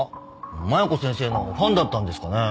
麻弥子先生のファンだったんですかね？